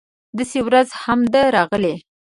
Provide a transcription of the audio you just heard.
داسې ورځ هم ده راغلې